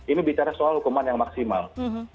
ini bicara soal hukuman yang maksimal